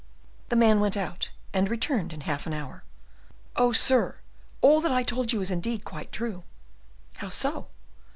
The man went out, and returned in half an hour. "Oh, sir, all that I told you is indeed quite true." "How so?"